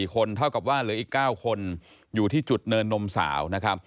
๔คนเท่ากับว่าเหลืออีก๙คนอยู่ที่จุดเนินนมสาวนะครับ